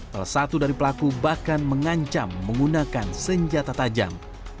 salah satu dari pelaku bahkan mengancam menggunakan senjata tajam